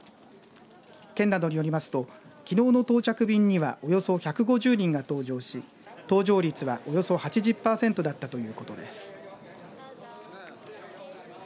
県などによりますときのうの到着便にはおよそ１５０人が搭乗し搭乗率はおよそ８０パーセントだったということです。